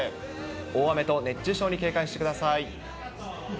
大雨と熱中症に警戒してください。